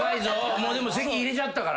もうでも籍入れちゃったからな。